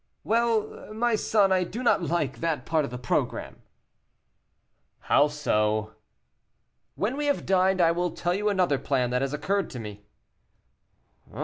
"Well, my son, I do not like that part of the program." "How so?" "When we have dined I will tell you another plan that has occurred to me."